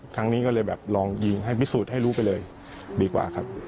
ครั้งนี้ก็เลยแบบลองยิงให้พิสูจน์ให้รู้ไปเลยดีกว่าครับ